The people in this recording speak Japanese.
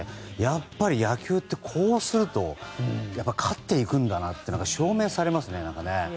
やっぱり野球ってこうすると勝っていくんだなって証明されますね、何かね。